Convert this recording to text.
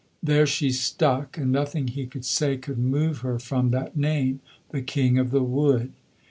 There she stuck, and nothing he could say could move her from that name, The King of the Wood.